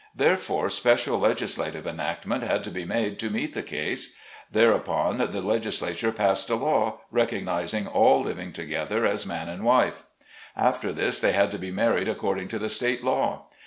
Therefore, special legislative enactment had to be made to meet the case ; there upon the legislature passed a law, recognizing all living together as man and wife. After this they had to be married according to the state law.